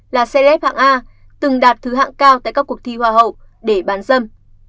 là xây lép hạng a từng đạt thứ hạng cao tại các cuộc thi hoa hậu để bán dâm